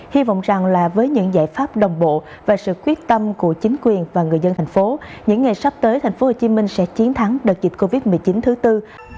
hy vọng rằng là với những giải pháp đồng bộ và sự quyết tâm của chính quyền và người dân thành phố những ngày sắp tới tp hcm sẽ chiến thắng đợt dịch covid một mươi chín thứ tư